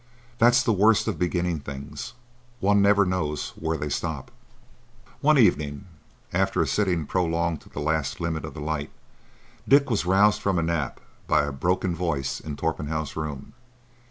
That's the worst of beginning things. One never knows where they stop." One evening, after a sitting prolonged to the last limit of the light, Dick was roused from a nap by a broken voice in Torpenhow's room.